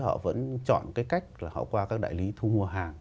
họ vẫn chọn một cái cách là họ qua các đại lý thu mua hàng